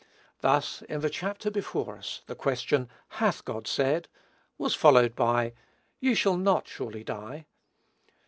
Thus, in the chapter before us, the question, "Hath God said?" was followed by, "Ye shall not surely die."